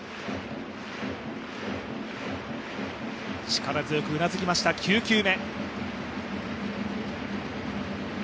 力強くうなずきました、９球目。